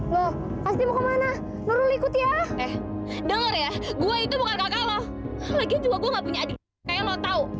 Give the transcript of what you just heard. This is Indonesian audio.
lo mau kemana lu ikut ya denger ya gue itu bukan kakak lo lagi juga gue nggak punya adik kayak lo